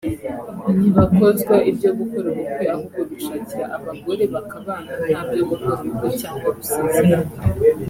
ntibakozwa ibyo gukora ubukwe ahubwo bishakira abagore bakabana ntabyo gukora ubukwe cyangwa gusezerana